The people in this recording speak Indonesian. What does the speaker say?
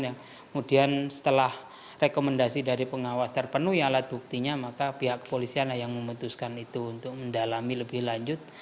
yang kemudian setelah rekomendasi dari pengawas terpenuhi alat buktinya maka pihak kepolisian yang memutuskan itu untuk mendalami lebih lanjut